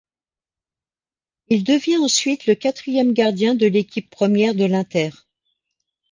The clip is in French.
Il devient ensuite le quatrième gardien de l'équipe première de l'Inter.